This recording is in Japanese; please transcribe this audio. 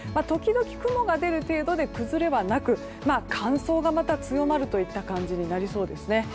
時々、雲が出る程度で崩れはなく乾燥がまた強まるといった感じになりそうです。